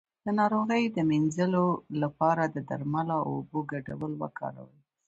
د ناروغۍ د مینځلو لپاره د درملو او اوبو ګډول وکاروئ